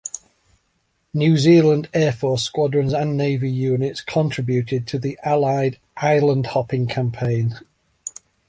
New Zealand Air Force squadrons and Navy units contributed to the Allied island-hopping campaign.